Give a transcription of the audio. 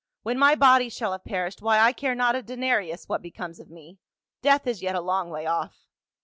When my body shall have perished, why, I care not a denarius what becomes of me ; death is yet a long way off."